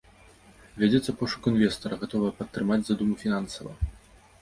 Вядзецца пошук інвестара, гатовага падтрымаць задуму фінансава.